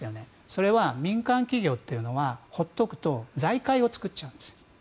それは民間企業というのは放っておくと財界を作っちゃうんです。